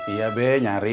iya be nyari